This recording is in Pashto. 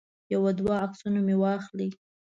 یو دوه عکسونه مې واخلي.